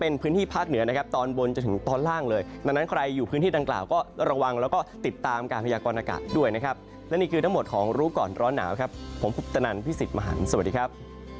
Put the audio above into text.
นี่คือทั้งหมดของรู้ก่อนร้อนหนาวครับผมพุทธนันทร์พี่สิทธิ์มหารสวัสดีครับ